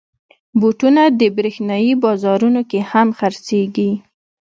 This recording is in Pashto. بوټونه د برېښنايي بازارونو کې هم خرڅېږي.